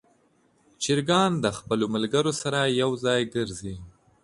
چرګان د خپلو ملګرو سره یو ځای ګرځي.